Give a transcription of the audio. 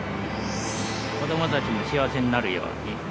子供たちも幸せになるように。